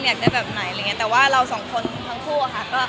อยากได้แบบไหนแต่ว่าเราสองคนทั้งคู่